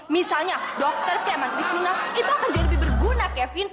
misalnya dokter kayak menteri sunat itu akan jadi lebih berguna kevin